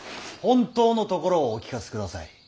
本当のところをお聞かせください